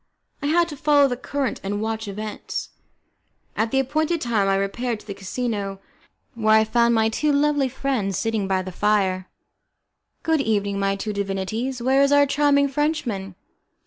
I had to follow the current and watch events. At the appointed time I repaired to the casino, where I found my two lovely friends sitting by the fire. "Good evening, my two divinities, where is our charming Frenchman?"